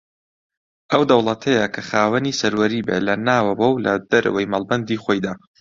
ئەو دەوڵەتەیە کە خاوەنی سەروەری بێ لە ناوەوە و لە دەرەوەی مەڵبەندی خۆیدا